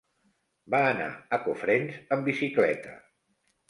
Va anar a Cofrents amb bicicleta.